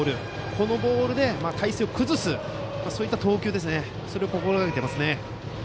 このボールで体勢を崩すそういった投球を心がけていますね。